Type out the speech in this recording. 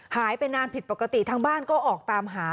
หายไปนานผิดปกติทางบ้านก็ออกตามหา